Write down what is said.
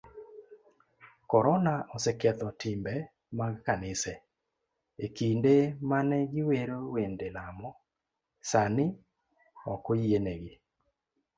Korona oseketho timbe mag kanise, ekinde mane giwero wende lamo, sani okoyienegi.